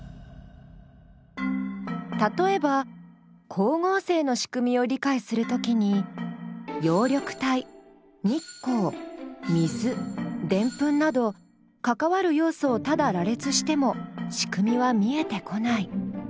例えば光合成の仕組みを理解するときになど関わる要素をただ羅列しても仕組みは見えてこない。